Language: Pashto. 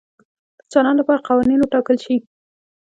د چلند لپاره قوانین وټاکل شي.